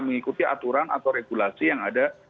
mengikuti aturan atau regulasi yang ada